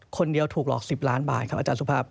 ถูกหลอก๑๐ล้านบาทครับอาจารย์สุภาพ